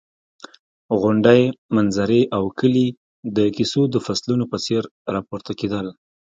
غونډۍ، منظرې او کلي د کیسو د فصلونو په څېر راپورته کېدل.